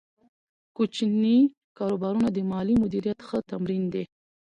کوچني کاروبارونه د مالي مدیریت ښه تمرین دی۔